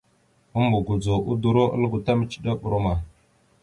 Ambogodzo udoróalgo ta micədere brom a.